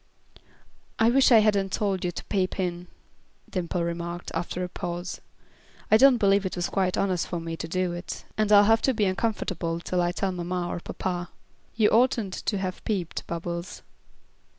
"I wish I hadn't told you to peep in," Dimple remarked, after a pause. "I don't believe it was quite honest for me to do it, and I'll have to be uncomfortable till I tell mamma or papa. You oughtn't to have peeped, Bubbles."